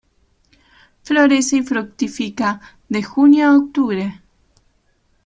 Florece y fructifica de junio a octubre.